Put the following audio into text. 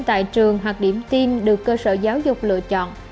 tại trường hoặc điểm tin được cơ sở giáo dục lựa chọn